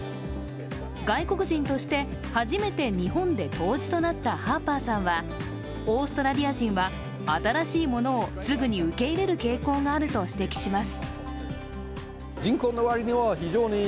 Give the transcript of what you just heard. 外国人として初めて日本で杜氏となったハーパーさんはオーストラリア人は新しいものをすぐに受け入れる傾向があると指摘します。